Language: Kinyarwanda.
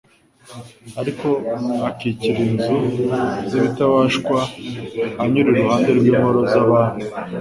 Ariko akikira inzu z'ibitabashwa, anyura iruhande rw'ingoro z'abami,